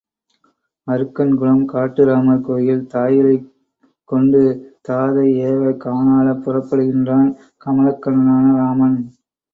அருக்கன் குளம் காட்டுராமர் கோயில் தாயுரை கொண்டு தாதை ஏவ கானாளப் புறப்படுகின்றான் கமலக்கண்ணனான ராமன்.